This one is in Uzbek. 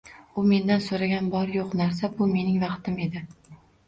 U mendan so`ragan bor-yo`q narsa, bu mening vaqtim edi